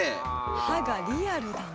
歯がリアルだな。